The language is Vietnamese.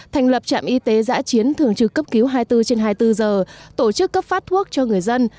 thành lập trạm y tế giã chiến thường trực cấp cứu hai mươi bốn trên hai mươi bốn giờ tổ chức cấp phát thuốc cho người dân